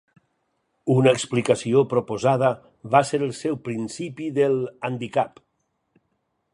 Una explicació proposada va ser el seu principi del handicap.